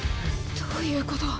どういうこと？